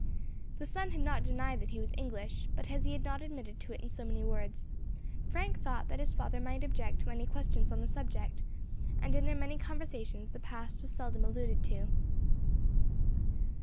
The son had not denied that he was English, but as he had not admitted it in so many words, Frank thought that his father might object to any questions on the subject, and in their many conversations the past was seldom alluded to.